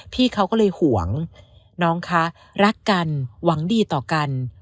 พี่เขาก็เลยห่วงน้องคะรักกันหวังดีต่อกัน